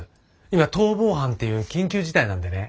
今逃亡犯っていう緊急事態なんでね。